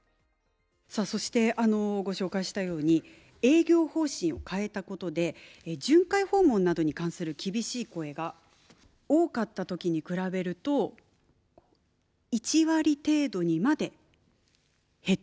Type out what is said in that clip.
さあそしてご紹介したように営業方針を変えたことで巡回訪問などに関する厳しい声が多かった時に比べると１割程度にまで減っているんですね。